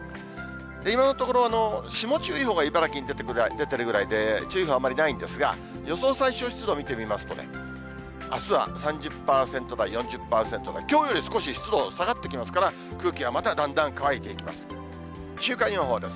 今のところ、霜注意報が茨城に出ているぐらいで、注意報あんまりないんですが、予想最小湿度を見てみますとね、あすは３０％台、４０％台、きょうより少し湿度下がってきますから、空気はまだだんだんかわいていきます